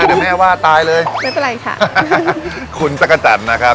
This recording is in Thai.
เดี๋ยวแม่ว่าตายเลยไม่เป็นไรค่ะคุณจักรจันทร์นะครับ